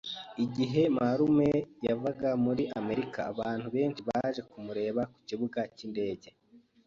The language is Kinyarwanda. Igihe marume yavaga muri Amerika, abantu benshi baje kumureba ku kibuga cy'indege.